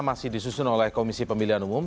masih disusun oleh komisi pemilihan umum